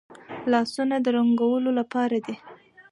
لاسونه د رنګولو لپاره دي